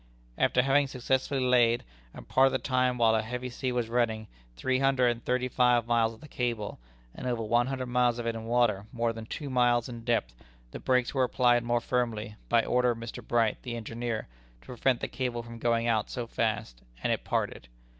"After having successfully laid and part of the time while a heavy sea was running three hundred and thirty five miles of the cable, and over one hundred miles of it in water more than two miles in depth, the brakes were applied more firmly, by order of Mr. Bright, the engineer, to prevent the cable from going out so fast, and it parted.